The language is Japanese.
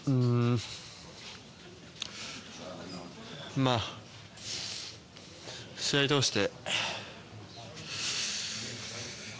まあ、試合とおして。